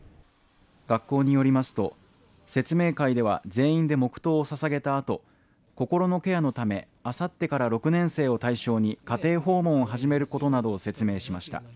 学校によりますと、説明会では全員で黙とうを捧げたあと、心のケアのため、あさってから６年生を対象に家庭訪問を始めることなどを説明しました。